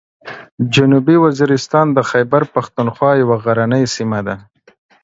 جنوبي وزیرستان د خیبر پښتونخوا یوه غرنۍ سیمه ده.